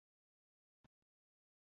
标津线。